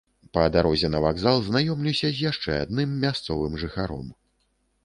Па дарозе на вакзал знаёмлюся з яшчэ адным мясцовым жыхаром.